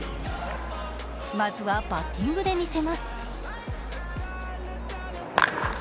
まずはバッティングで見せます。